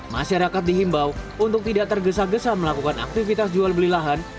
masyarakat dihimbau untuk tidak tergesa gesa melakukan aktivitas jual beli lahan